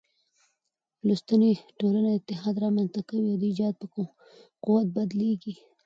لوستې ټولنه اتحاد رامنځ ته کوي او د ايجاد په قوت بدلېږي.